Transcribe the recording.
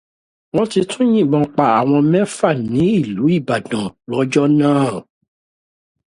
Wọ́n tún ti yìnbọn pa àwọn mẹ́fà ní ìlú Ìbàdàn lọ́jọ́ náà